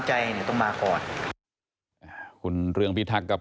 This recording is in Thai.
มันมีโอกาสเกิดอุบัติเหตุได้นะครับ